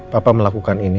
papa melakukan ini